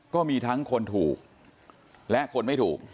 ก็มีทั้งคนถูกและคนไม่ถูก